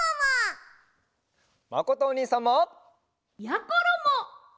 まことおにいさんも！やころも！